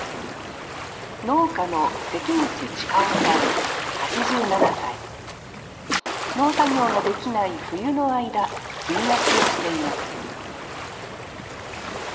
農家の農作業ができない冬の間炭焼きをしています